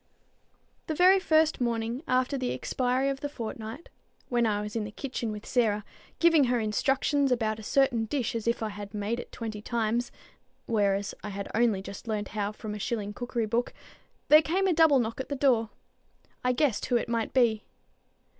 The very first morning after the expiry of the fortnight, when I was in the kitchen with Sarah, giving her instructions about a certain dish as if I had made it twenty times, whereas I had only just learned how from a shilling cookery book, there came a double knock at the door. I guessed who it must be.